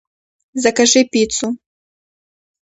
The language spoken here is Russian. Закажи пиццу